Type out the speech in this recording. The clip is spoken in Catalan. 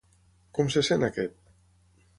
Com se sent aquest?